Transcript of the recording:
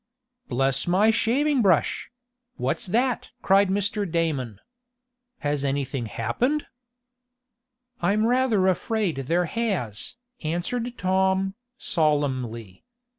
"Bless my shaving brush! What's that?" cried Mr. Damon. "Has anything happened?" "I'm rather afraid there has," answered Tom, solemnly.